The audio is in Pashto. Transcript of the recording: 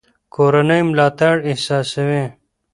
کورنۍ ملاتړ احساسوي.